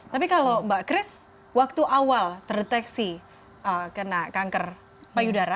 tapi kalau mbak kris waktu awal terdeteksi kena kanker payudara